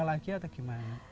lagi atau gimana